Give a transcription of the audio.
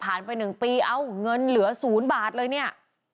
ไป๑ปีเอ้าเงินเหลือ๐บาทเลยเนี่ย